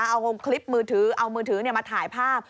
เอาคลิปมือถือเอามือถือมาถ่ายภาพ